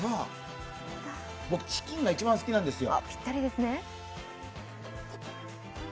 僕チキンが一番好きなんですよ。